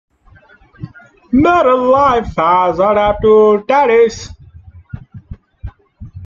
Marine life has adapted to tides.